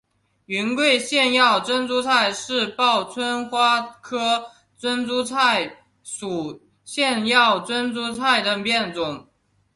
云贵腺药珍珠菜是报春花科珍珠菜属腺药珍珠菜的变种。